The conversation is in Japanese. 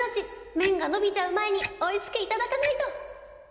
めんがのびちゃうまえにおいしくいただかないと！